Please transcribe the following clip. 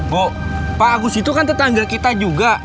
bahwa pak agus itu kan tetangga kita juga